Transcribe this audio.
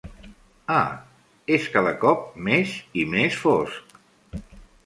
Ah, és cada cop més i més fosc.